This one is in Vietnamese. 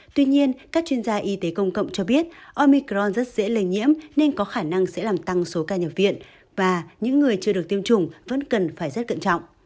tuy nhiên các chuyên gia y tế công cộng cho biết omicron rất dễ lây nhiễm nên có khả năng sẽ làm tăng số ca nhập viện và những người chưa được tiêm chủng vẫn cần phải rất cẩn trọng